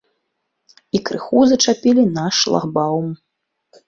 І крыху зачапілі наш шлагбаўм.